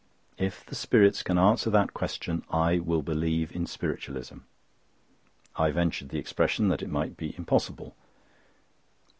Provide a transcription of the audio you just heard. If the spirits can answer that question, I will believe in Spiritualism." I ventured the expression that it might be impossible.